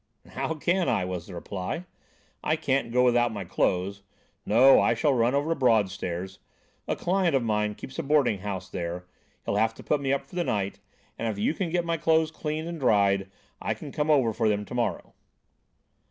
"How can I?" was the reply. "I can't go without my clothes. No, I shall run over to Broadstairs. A client of mine keeps a boarding house there. He'll have to put me up for the night, and if you can get my clothes cleaned and dried I can come over for them to morrow."